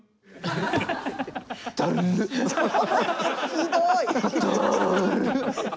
ひどい。